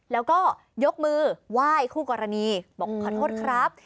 แล้วก็ยกมือไหว้คู่กรณีบอกขอโทษครับ